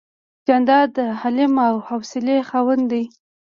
جانداد د حلم او حوصلې خاوند دی.